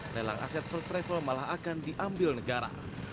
lelang aset first travel malah akan diambil negara